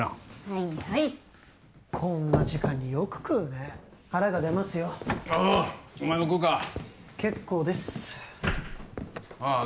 はいはいこんな時間によく食うね腹が出ますよああお前も食うか結構ですああ